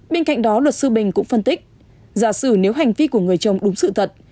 bên cạnh đó luật sư bình cũng phân tích giả sử nếu hành vi của người chồng đúng sự thật